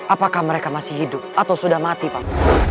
apakah mereka masih hidup atau sudah mati pak